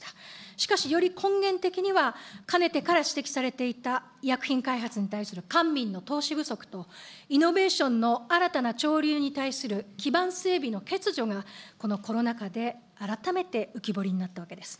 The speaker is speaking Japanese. しかし、より根源的には、かねてから指摘されていた、医薬品開発に対する官民の投資不足と、イノベーションの新たな潮流に対する基盤整備の欠如が、このコロナ禍で改めて浮き彫りになったわけです。